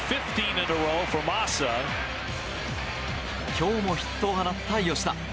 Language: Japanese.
今日もヒットを放った吉田。